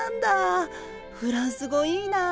フランス語いいなぁ。